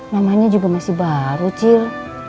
namanya juga masih baru cir